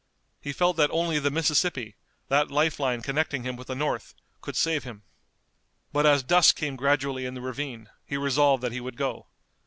He felt that only the Mississippi, that life line connecting him with the North, could save him. But as dusk came gradually in the ravine he resolved that he would go.